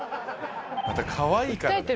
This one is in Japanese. またかわいいから。